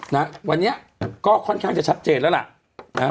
นะวันนี้ก็ค่อนข้างจะชัดเจนแล้วล่ะนะฮะ